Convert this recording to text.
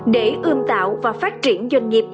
để ươm tạo và phát triển doanh nghiệp